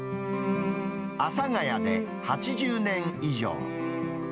阿佐ヶ谷で８０年以上。